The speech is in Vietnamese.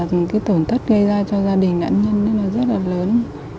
biết là cái tổn thất gây ra cho gia đình nạn nhân rất là lớn